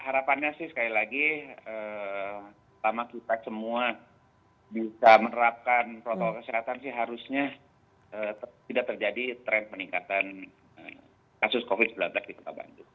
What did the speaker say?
harapannya sih sekali lagi pertama kita semua bisa menerapkan protokol kesehatan sih harusnya tidak terjadi tren peningkatan kasus covid sembilan belas di kota bandung